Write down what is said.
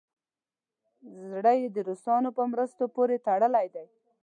زړه یې د روسانو په مرستو پورې تړلی دی.